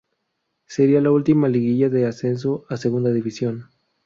Sería la última liguilla de ascenso a Segunda División.